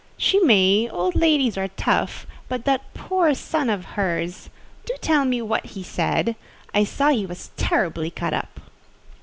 "She may: old ladies are tough; but that poor son of hers! Do tell me what he said: I saw he was terribly cut up."